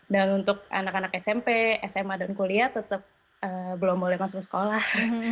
dan untuk anak anak smp sma dan kuliah tetap belum boleh masuk sekolah